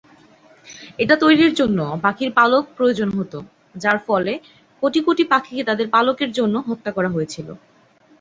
এটা তৈরির জন্য পাখির পালক প্রয়োজন হত, যার ফলে কোটি কোটি পাখিকে তাদের পালকের জন্য হত্যা করা হয়েছিল।